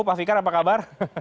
pak fikar apa kabar